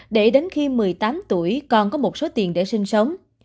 để đến khi một mươi tám tuổi con có một số tiền để sinh sống